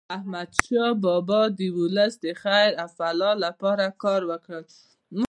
احمدشاه بابا د ولس د خیر او فلاح لپاره کار وکړ.